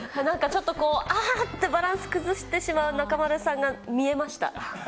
ちょっとこう、ああってバランスを崩してしまう中丸さんが見えました。